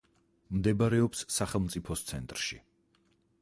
მდებარეობს სახელმწიფოს ცენტრში.